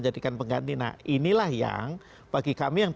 jadi saya mau fragrance